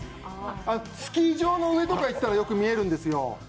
スキー場の上とか行ったら、よく見えるんですよ。